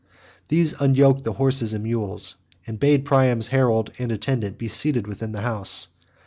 These unyoked the horses and mules, and bade Priam's herald and attendant be seated within the house.